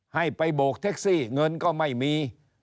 ให้ไปโบกแท็กซี่เงินก็ไม่มี